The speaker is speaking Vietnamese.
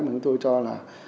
mà chúng tôi cho là